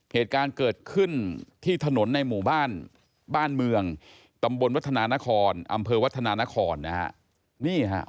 เหตุการณ์เกิดขึ้นที่ถนนในหมู่บ้านบ้านเมืองตำบลวัฒนานครอำเภอวัฒนานครนะฮะ